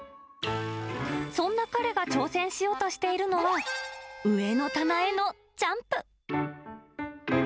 そんな彼が挑戦しようとしているのは、上の棚へのジャンプ。